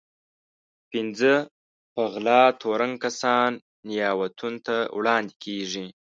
پنځه په غلا تورن کسان نياوتون ته وړاندې کېږي.